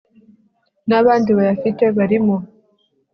n abandi bayafite barimo